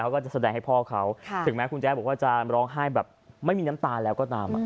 เขาก็จะแสดงให้พ่อเขาถึงแม้คุณแจ๊บอกว่าจะร้องไห้แบบไม่มีน้ำตาแล้วก็ตาม